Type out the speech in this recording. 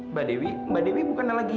mbak dewi mbak dewi bukan lagi